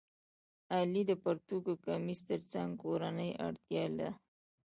غلۍ د پرتوګ او کمیس تر څنګ کورنۍ اړتیا ده.